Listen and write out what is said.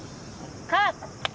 カット！